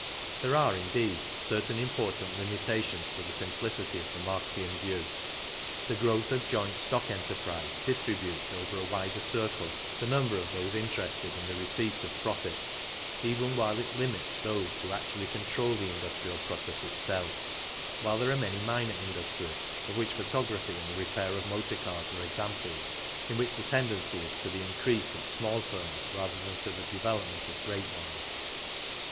There are, indeed, certain important limi •tations to the simplicity of the Marxian view. The igrowth of joint stock enterprise distributes over a wider Icircle the number of those interested in the receipt of profits, even while it limits those who actually control the industrial process itself; while there are many minor industries, of which photography and the repair of motor cars are examples, in which the tendency is to the increase of small firms rather than to the develop ment of great ones.